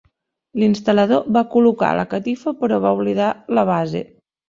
L'instal·lador va col·locar la catifa però va oblidar la base.